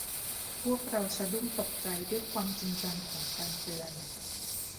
พวกเราสะดุ้งตกใจด้วยความจริงจังของการเตือน